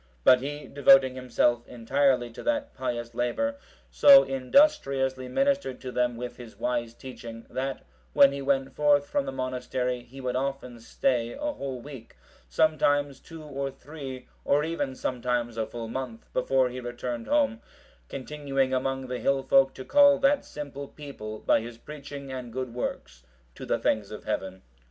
But he, devoting himself entirely to that pious labour, so industriously ministered to them with his wise teaching, that when he went forth from the monastery, he would often stay a whole week, sometimes two or three, or even sometimes a full month, before he returned home, continuing among the hill folk to call that simple people by his preaching and good works to the things of Heaven.